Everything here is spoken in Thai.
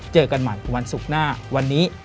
เจอกันใหม่วันศุกร์หน้าวันนี้